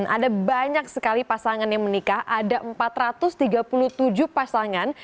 ada banyak sekali pasangan yang menikah ada empat ratus tiga puluh tujuh pasangan